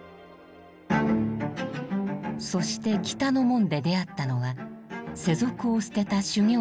そして北の門で出会ったのは世俗を捨てた修行僧。